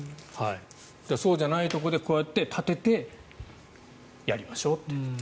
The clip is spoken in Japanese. そうじゃないところでこうやって立ててやりましょうと。